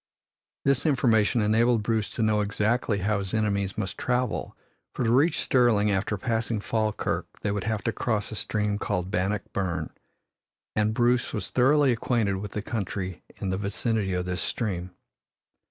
This information enabled Bruce to know exactly how his enemies must travel, for to reach Stirling after passing Falkirk they would have to cross a stream called Bannock Burn, and Bruce was thoroughly acquainted with the country in the vicinity of this stream.